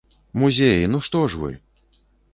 Музеі, ну што ж вы!